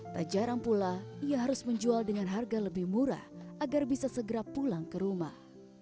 tak jarang pula ia harus menjual dengan harga lebih murah agar bisa segera pulang ke rumah